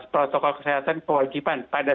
protokol kesehatan kewajiban pada